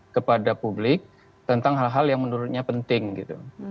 kepada publik tentang hal hal yang menurutnya penting gitu